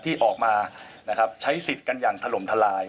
ที่ออกมานะครับใช้สิทธิ์กันอย่างถล่มทลาย